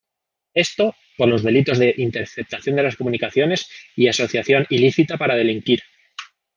Esto, por los delitos de interceptación de las comunicaciones y asociación ilícita para delinquir.